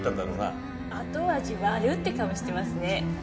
後味悪っ！って顔していますね。